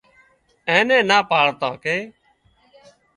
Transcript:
اين نين نا پاڙتان ڪي